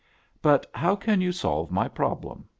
" But how can you solve my problem